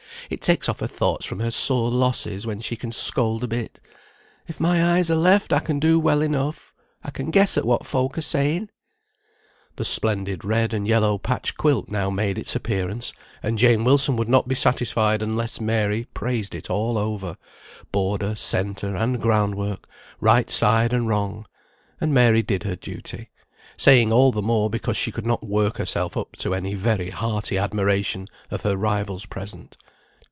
It takes off her thoughts from her sore losses when she can scold a bit. If my eyes are left I can do well enough; I can guess at what folk are saying." The splendid red and yellow patch quilt now made its appearance, and Jane Wilson would not be satisfied unless Mary praised it all over, border, centre, and ground work, right side and wrong; and Mary did her duty, saying all the more, because she could not work herself up to any very hearty admiration of her rival's present.